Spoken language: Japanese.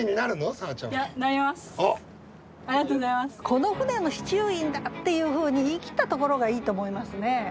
「この船の司厨員だ」っていうふうに言い切ったところがいいと思いますね。